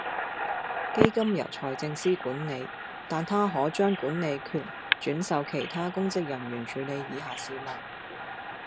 基金由財政司管理，但他可將管理權轉授其他公職人員處理以下事務